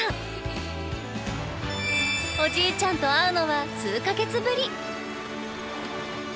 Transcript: おじいちゃんと会うのは数か月ぶり。